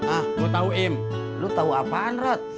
ah gua tahu im lu tahu apaan rod